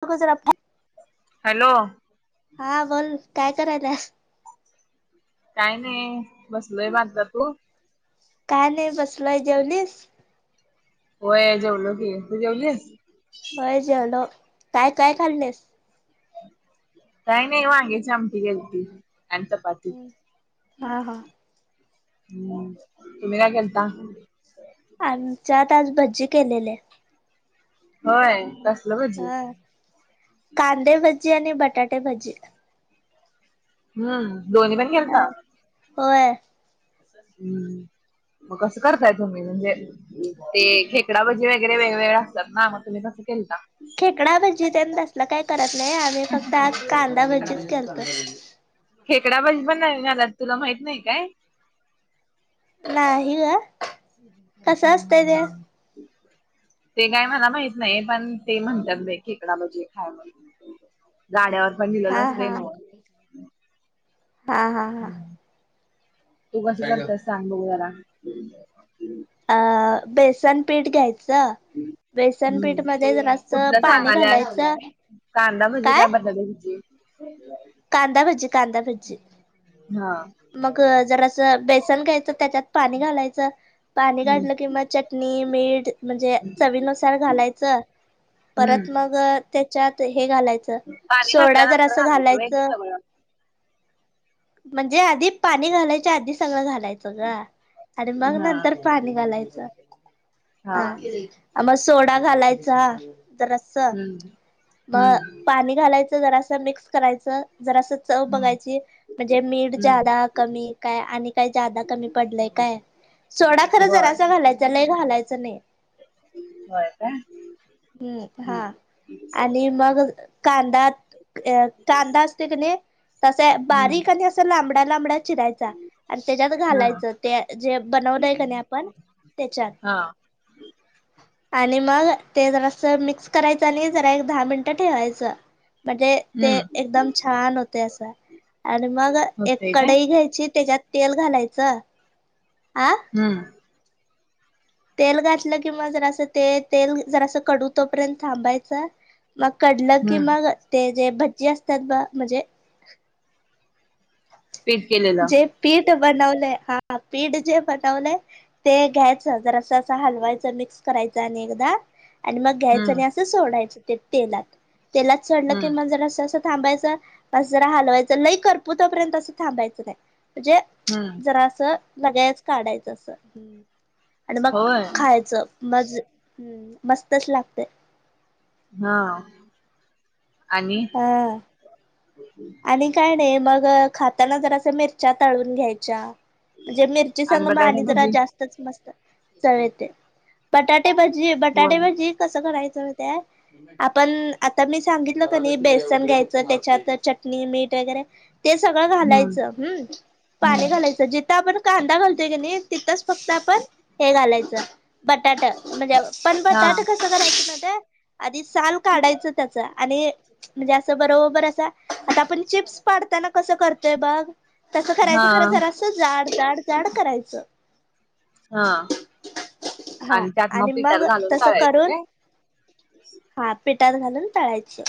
[unintelligible] Hello. हा बोल काय करायला काय नाही बसलय बांधता तू. काय नाही बसलय जे हो ये जेवल की तू जेवलीस? होय जेवलो काय काय खालणेस. काही नाही वांगेची आमटी घेती आणि चपाती हा हा ह तुम्ही काय करता. आमच्यात आज भजी केलेले होय ब. हा कांदे भजी आणि बटाटे भजी हम्म दोन्ही पण गेलता. होय. हम्म मग कसं करताय तुम्ही म्हणजे ते खेकडाभजी वगरे वेगवेगळे असतात ना मग तुम्ही कसं केलता. खेकडा भजीतसलं काही करत नाही आम्ही फक्त आज कांदा भजीच करतोय. खेकडा भजी पण नाहीलात तुला माहित नाही काय? नाही ग कस असतंय त्या ते काय मला माहित नाही पण ते म्हणतात खेकडा भाजी खाय म्ह. हा हा हा हा हा. तू कस करतायस सांग बघू जला अ बेसन पीठ घ्यायचं. बेसनपीठ हम्म. मध्येस्त कुठलं पाणी सांगाल्यास घालायचं. कांदा म्हणजे काय बदल आहे तिची कांदा भजी कांदा भजी हा. मग जर असं बेसन घ्यायचं त्याच्यात पाणी घालायचं. पाणी हम्म काढलं किंवा चटणी मीठ म्हणजे चवीनुसार घालायचं. परत हम्म मग त्याच्यात हे घालायचं पाणी सोडा जर घातल्यानंतर असं व्हय ते घालायचं. सगळं. जे आधी पाणी घालायचे आधी सगळं घालायचं. आणि मग हा. नंतर पाणी घालायचं हा. मग सोडा घालायचा जरा हम्म मग हम्म. पाणी घालायचं जरासं मिक्स करायचं जरासं चव हम्म बघायची म्हणजे मीठ हम्म जादा कमी काय आणि काय जादा कमी पडलय काय सोडा खरं जरा बर अस घालायच. त्यालाही घालायचं नाही. होय का. हम्म हा आणि मग कांदा अ कांदा असते क त असं हम्म बारी क तंबडा लांबडा चिरायचा आणि त्याच्यात हा घालायच. जे बनवलं आहे की नाही आपण त्याच्यात हा आणि मग ते जरा असं मिक्स करायचं आणि जरा एक दहा मिनटं ठेवायचं. म्हणजे ते हम्म एकदम छान होते असं आणि मग एक होतय काय कढई घ्यायची त्याच्यात तेल घालायचं. आं हम्म. तेल घातलं किंवा जर असं ते तेल जर असं कडू तोपर्यंत थांबायच मग कडलं कि हम्म. मग ते जे भज्जी असतात ब म्हणजे पीट केलेल जे पीठ बनवलं हा पीठ जे बनवलं ते घ्यायच जर असं असं हलवायचं मिक्स करायचं आणि एकदा आणि मग घ्यायचं हम्म आणि असं सोडायचं ते तेलात तेलात सोडलं की हम्म मग जर अस थांबायचं मस जरा हलवायचं लय करपुतापर्यंत असं थांबायचं नाही म्हणजे हम्म. लगाच काढायचं अस आणि मग होय. खायचं [inaudible] हा आणि हा आणि काय नाही मग खाताना जरं मिरच्या ताळून घ्यायच्या म्हणजे मिर संगम बटाटे आणि जरा भजी. जास्त मस्त चवेत बटाटे भजी बटाटे होय भजी कसं करायचं माहीत हाय. आपण आता मी सांगितलं कनी बेसन घ्यायचं त्याच्यात च चटणी मीठ वगैरे ते सगळं हम्म घालायचं हम् पाणी हम्म घालायचं ज आपण कांदा घालतोय की नाही तिथंच फक्त आपण हे घालायचं बटाटा म्हणजे पण हा बटाटा कस करायच ना आधी साल काढायचं त्याच आणि म्हणजे असं बरोबर अस आता आपण चिप्स पाडताना कसं करतोय बघ तसं हा करायचं खर जरा असं जाड जाड जाड करायचं हा हा त्यात आणि पिठात मग घालून तस तळायचं करून काय हा पीटात घालून टळायचे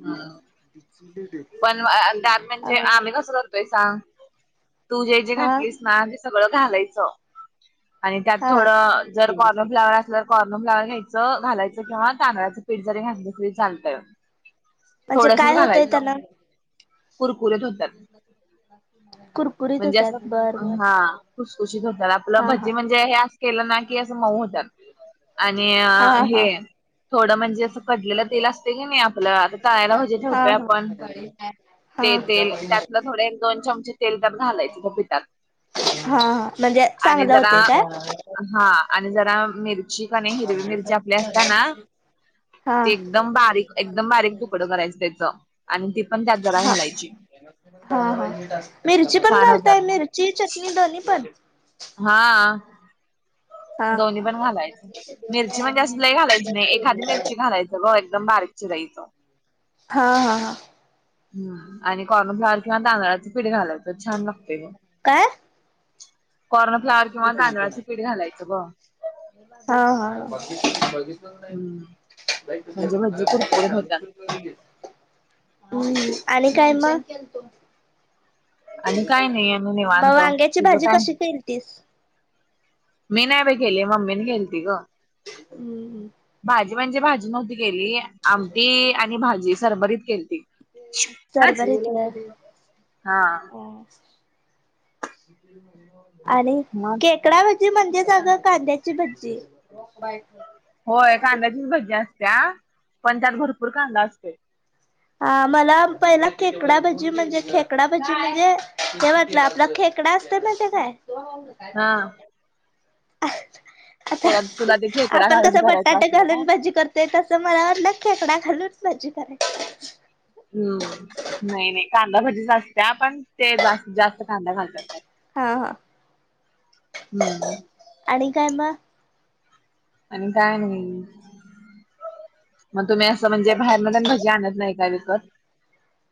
हम्म [inaudible] पण दात अ म्हणजे आम्ही कसं करतोय सांग तूझे जे हा घातलीस ते सगळं घालायचं आणि त्यात हा थोडं जर कॉर्नफ्लावर असलं कॉर्न फ्लावर घ्यायचं घालायचं किंवा तांदळाचं पीठ जरी घातलं तरी चालतंय म्हणजे काय होतय त्याना कु. रकुर होतात कुर म्हणजे असं हा खुशखुशीत होतात आपलं हा हा भजी म्हणजे हे केलं ना की असं मऊ होतात आणि हा हा हे थोडं म्हणजे असं कडलेलं तेल असत क नाही आपलं आता तळायला भाजे हा ठेवतोय हा आपण हा ते ते त्यात थोडे एक दोन चमचे तेल घालायचपात हा म्हणजे आणि चांगलं जरा होतंय काय हा आणि जरा मिरची क हिरवी मिरची आपली असते ना हा ते एकदम बारीक एकदम बारीक तुकडं करायचं त्याच आणि ती पण त्यात जरा हा घालायची हा हा मिरची पण छान होतात घालताय मग मिरची चटणी दोनी पण हा हा दोन्ही पण घालायच मिरची म्हणजे असही घालायची नाही एखादी मिरची घालायचं ब एकदम बारकी [inaudible] हा हा हां हम आणि कॉर्नो फ्लावर किंवा तांदळां पीठ घालायचं छान लागत काय कॉर्नफ्लावर किंवा गांदळाचं पीठ घालायचं ब हा हा‌. हम्म म्हणजे भजी कुरकुरीत होत्यात. हम्म आणि काय मग? आणि काय नाही आणि मग निवांत वांग्याची तुझं भाजी काय कशी केल तीस? मी नाय बाय गेली मम्मीनी केलती ग. हम्म.. भाजी म्हणजे भाजी नव्हती गेली आमटी आणि भाजी सरबरीत केलती अच्छा सर्वर इथलं हा.. आणि मग. खेकडा भजी म्हणजे अग कांद्याची भजी. होय कांद्याचीच भजी असत्या पण त्यात भरपूर कांदा असतोय. ह मला पहिला खेकडा भजी म्हणजे खेकडा भजी म्हणजे ते वाटलं आपला खेक खेकडा असते माहिती हाय काय? हा आता त्याला तुला ते खेकडा आपण घालून कसं करायचं बटाटे असलं घालून काय? भजी करतो. ते तसं मला वाटलं खेकडा घालून भजी करायची. हम्म नाही नाही कांदा भजीच असत्या पण ते जास्तीत जास्त कांदा घालतात त्याला. हा हा हम्म. आणि काय मग? आणि काय नाही मग तुम्ही म्हणजे बाहेरन म भजी आणत नाही का विकत?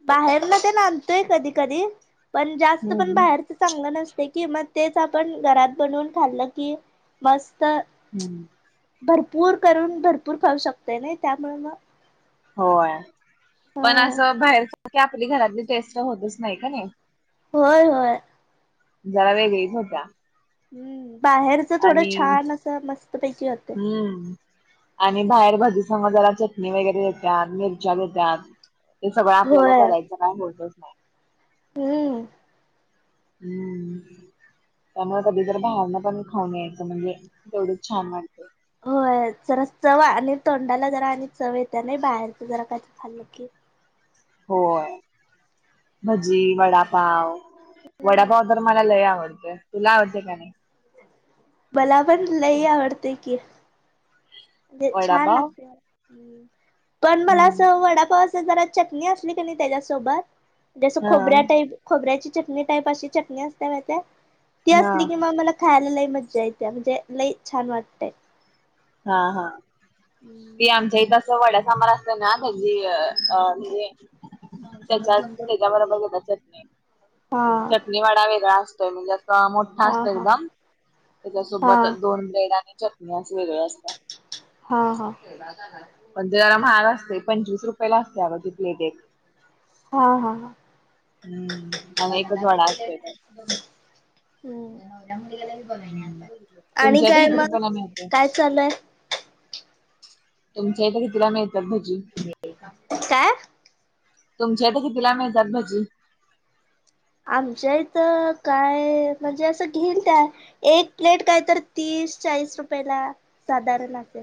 बाहेर ना ते नातोय कधी कधी पण जास्त पण हम्म. बाहेर चांगल नसते की मग तेच आपण घरात बनवून खाल्लं की मस्त हम्म. भरपूर करून भरपूर खाऊ शकते नाही त्यामुळे मग. होय पण ह असं बाहेर सारकी आपली घरातली टेस्ट होतच नाही का नाही. होय होय. जरा वेगळी होत्या. हम्म बाहेरच थोडं आणि छान असं मस्तपैकी होते. हम्म आणि बाहेर भजी संग जला चटणी वगैरे देतात, मिरच्या देतात, हे सगळं आपल्याला होय करायचं काय होतच नाही. हम्म. हम्म. त्यामुळे कधी तर बाहेरन पण खाऊन यायचं म्हणजे तेवढच छान वाटते. होय जरा चव आणि तोंडाला जरा आणि चव येत नाही बाहेरच जरा का खाल्लं की. हो. भजी वडापाव हम्म वडापाव तर मला लय आवडते तुला आवडते का नाही? मलापण लयी आवडते की. छान वडापाव लागते पण मला अस हम्म वडापाव जरा चटणी असली कि नाही त्याच्यासोबत जस हा खोबऱ्या टाईप खोबऱ्याची चटणी टाईप अशी चटणी असते माहिती आहे ती हा असली कि म मला खायला लई मजा येते म्हणजे लई छान वाटतेय. हा हा ते आमची ते असं वड्या साबर असत ना भजी म्हणजे त्याच्यात त्याच्याबरोबर दिलेली चटणी हा चटणीवाडा वेगळा असतोय म्हणजे अस हा असतो हा का हा त्याच्यासोबत दोन ब्रेड आणि चटणी असे वेगळे असतात. हा हा. पण ते जरा महाग असते पंचवीस रुपये ला असते अग ती प्लेट एक. हा हा. हम्म आणि एकच वडा असतोय त्यात हम्म मुला हम्म आणि तुमच्या इथे काय किती मग रुपयाला मिळते काय चालूय तुमच्या इथं कितीला मिळतात भजी? काय? तुमच्याकडे कितीला मिळतात भजी? आमच्या इथं काय म्हणजे असं घेईल ते काय एक प्लेट काय तर तीस चाळीस रुपयेला साधारण असेल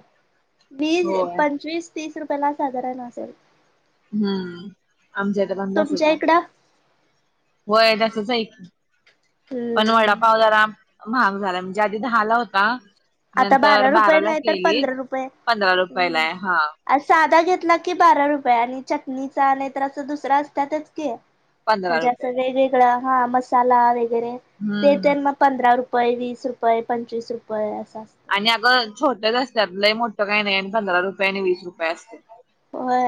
वीस होय. पंचवीस तीस रुपयया ला साधारण असेल हम्म आमच्या इथ पण तसाच तुमच्या आहे इकडं? होय तसच आहे की पण हम्म वडापाव जरा महाग झाला म्हणजे आधी दहाला होता आता नंतर बारा रुपये बाराला नाही तर केलीत पंधरा रुपये पंधरा हम्म. रुपयालाय हा साधा घेतला की बारा रुपये आणि चटणीचा नाहीतर असं दुसरा असतातच की पंधरा म्हणजे रुपये. असं वेगवेगळं हा मसाला वगैरे ते हम्म त्यां मग पंधरा रुपये वीस रुपये पंचवीस रुपये असं असत आणि अगं छोटंच असतात लई मोठं काही नाही आणि पंधरा रुपये आणि वीस रुपये असते हो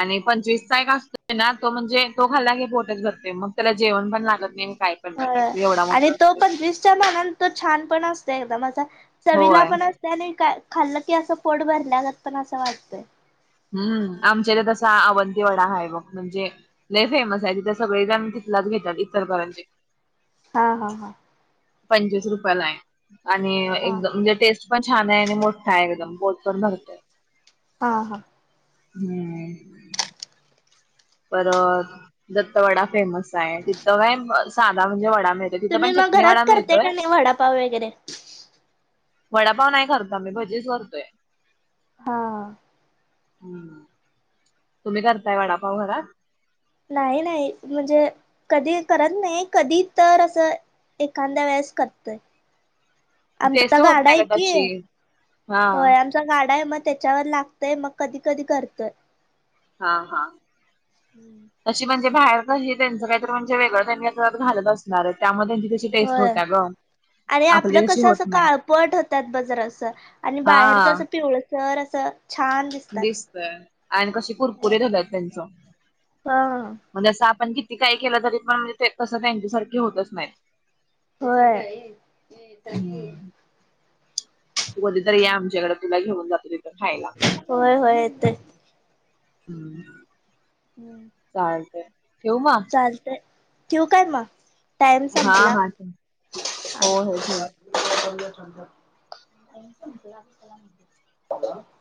आणि पंचवीसचा एक का असतोय ना तो म्हणजे तो खाल्ला घे पोटच भरते मग त्याला जेवण पण लागत नाही काय पण ह नाही एवढा आणि मोठा तो असतोय. पंचवीसच्या मानान तो छान पण असतो एकदम असा चवीला होय. पण अस त्याने का खाल्लं की असं पोट भरल्या गत पण असं वाटतं हम्म आमच्या इथ तसा अवंती वडा ह आहे बघ म्हणजे लई फेमस आहे तिथे सगळे जण तिथलाच घेतात इचलकरंजीत हा हा हा पंचवीस रुपयाला आहे आणि हा एकदम म्हणजे टेस्ट पण छान आहे आणि मोठा एकदम बोट पण भरतय ह हां हम्म पर दत्त वडा फेमस आहे तिथं काय साधा म्हणजे वडा म तुम्ही मग घरात करते का नाही वडापाव वगैरे वडापाव नाही करत मी भजीच करतोय हा हम् तुम्ही करताय वडापाव घरात नाही नाही म्हणजे कधी करत नाही कधी तर असं एखांद्या वेळेस करतोय आमचा टेस्ट होत गाडा नाही आहे का की तशी हा होय आम गाडा आहे मग त्याच्यावर लागतंय मग कधी कधी करतोय हा हा हम्म तशी म्हणजे बाहेर का त्यांच काही म्हणजे वेगळं त्यांनीत घालत असणार त्यामुळे त्यांची तशी टेस्ट होय होत्या ग आणि आपलं आपली तशी कसं होत असं नाही काळपट होतात बग जरासं आणि बाहेरच हा असं पिवळ जर असं छान दि दिसतय आणि कशी कुरकुरीेत होतात त्यांच हा म्हणजे असं आपण किती काही केलं तरी पण म्हणजे कसं त्यांच्यासारखे होतच नाही होय हम्म तू कधी तरी ये आमच्याकडे तुला घेऊन जाते होय, होय येतोय. हम्. हम्म. चालतय ठेऊ म? चालतंय, ठेवू काय मग, टाइम हा संपला. हा ठेव हो हो ठेव [inaudible]